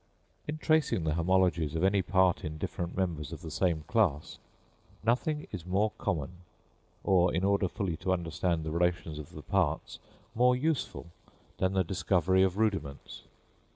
In tracing the homologies of any part in different members of the same class, nothing is more common, or, in order fully to understand the relations of the parts, more useful than the discovery of rudiments.